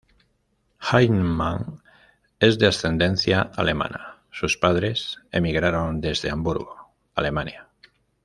Hahnemann es de ascendencia alemana; sus padres emigraron desde Hamburgo, Alemania.